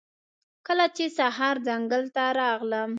کله چې سهار ځنګل ته راغلم